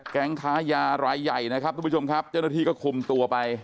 ค้ายารายใหญ่นะครับทุกผู้ชมครับเจ้าหน้าที่ก็คุมตัวไป